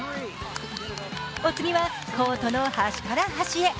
お次はコートの端から端へ。